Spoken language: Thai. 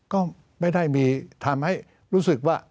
ก็ไม่ได้มีทำให้รู้สึกว่า